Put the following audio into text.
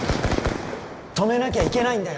止めなきゃいけないんだよ